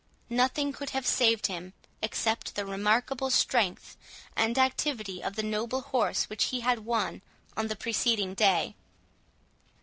Nothing could have saved him, except the remarkable strength and activity of the noble horse which he had won on the preceding day.